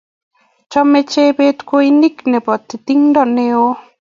Chame Jebet kweinik nebo titingdo neo